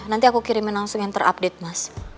nanti aku kirimin langsung yang terupdate mas